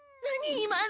今の。